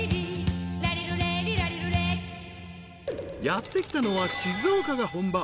［やって来たのは静岡が本場。